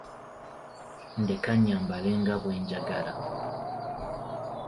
Ndekka nyambale nga bwenjagala.